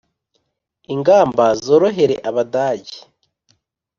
ingamba zorohere abadage